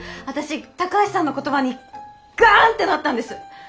私高橋さんの言葉にガンってなったんです。